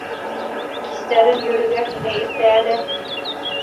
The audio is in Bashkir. Кистәрен йөрөргә һиңә иртә әле.